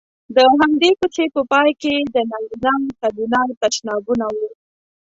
د همدې کوڅې په پای کې د نارینه او ښځینه تشنابونه وو.